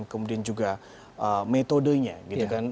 kemudian juga metodenya gitu kan